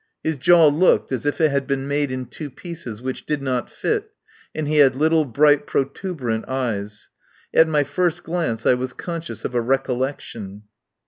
His jaw looked as if it had been made in two pieces which did not fit, and he had little, bright protuberant eyes. At my first glance I was conscious of a recollection.